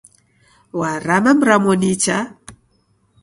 Warama mramo nicha.